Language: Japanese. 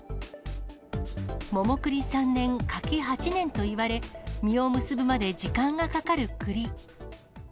桃栗三年柿８年といわれ、実を結ぶまで時間がかかる栗。